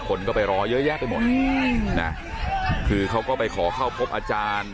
คนก็ไปรอเยอะแยะไปหมดนะคือเขาก็ไปขอเข้าพบอาจารย์